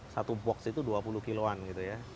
satu box itu dua puluh kilo an gitu ya